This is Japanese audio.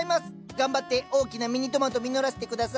頑張って大きなミニトマト実らせて下さい！